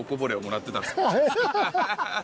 ハハハハ！